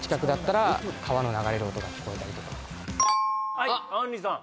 はいはいあんりさん